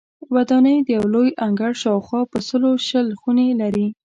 ودانۍ د یو لوی انګړ شاوخوا په سلو شل خونې لري.